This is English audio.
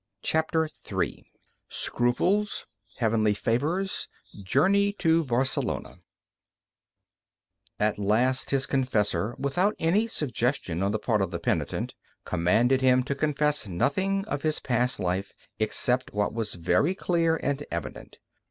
CHAPTER III SCRUPLES HEAVENLY FAVORS JOURNEY TO BARCELONA At last his confessor, without any suggestion on the part of the penitent, commanded him to confess nothing of his past life, except what was very clear and evident.